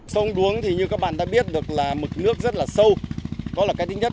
sông đuống thì như các bạn đã biết được là mực nước rất là sâu đó là cái thứ nhất